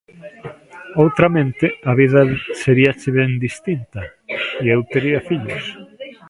Outramente, a vida seríache ben distinta, e eu tería fillos;